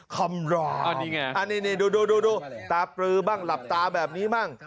ขำราวอันนี้ไงอันนี้ดูตาปลื้อบ้างหลับตาแบบนี้บ้าง